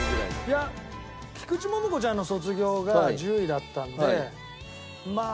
いや菊池桃子ちゃんの『卒業』が１０位だったんでまあ